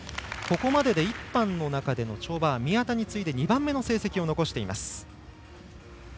ここまでで１班の中での跳馬は宮田に次いで２番目の成績を残しています。